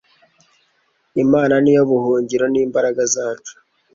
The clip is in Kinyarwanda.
Imana ni yo buhungiro n’imbaraga zacu